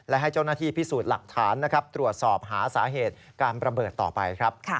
และให้เจ้าหน้าที่พิสูจน์หลักฐานตรวจสอบหาสาเหตุการระเบิดต่อไปครับ